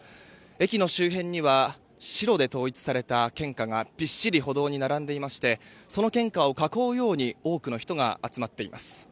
駅の周辺には白で統一された献花がびっしり歩道に並んでいましてその献花を囲うように多くの人が集まっています。